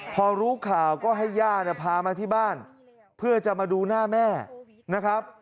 พอรู้ข่าวก็ให้ย่าเนี่ยพามาที่บ้านเพื่อจะมาดูหน้าแม่นะครับ